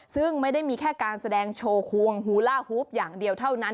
ซึ่งไม่ได้มีแค่การแสดงโชว์ควงฮูล่าฮูฟอย่างเดียวเท่านั้น